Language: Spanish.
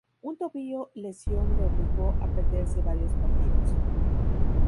Un tobillo lesión le obligó a perderse varios partidos.